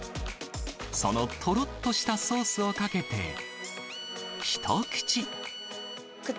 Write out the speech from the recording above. そのとろっとしたソースをかけて、一口。